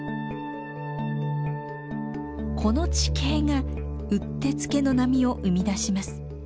この地形がうってつけの波を生み出します。